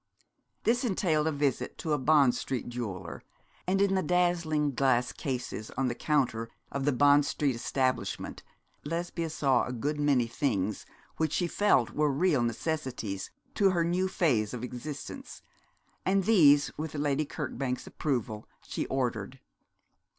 This entailed a visit to a Bond Street jeweller, and in the dazzling glass cases on the counter of the Bond Street establishment Lesbia saw a good many things which she felt were real necessities to her new phase of existence, and these, with Lady Kirkbank's approval, she ordered.